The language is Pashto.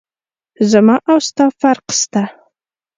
زما او ستا فرق سته.